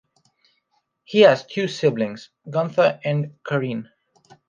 He has two siblings, Gunther and Karine.